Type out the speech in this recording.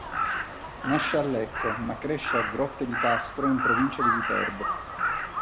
Nasce a Lecco ma cresce a Grotte di Castro, in provincia di Viterbo.